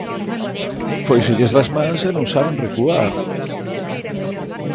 Fóiselles das mans e non saben recuar.